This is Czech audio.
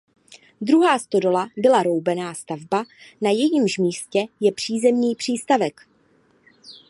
Druhá stodola byla roubená stavba na jejímž místě je přízemní přístavek.